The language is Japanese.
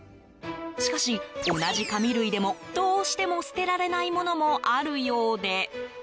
しかし、同じ紙類でもどうしても捨てられないものもあるようで。